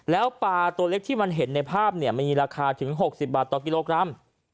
แล้วปลาตัวเล็กที่มันเห็นในภาพมันมีราคาถึง๖๐บาทต่อกิโลกรัม